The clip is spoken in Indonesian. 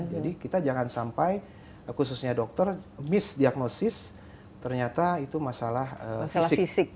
jadi kita jangan sampai khususnya dokter misdiagnosis ternyata itu masalah fisik